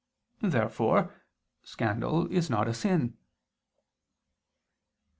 Therefore scandal is not a sin.